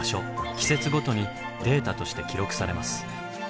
季節ごとにデータとして記録されます。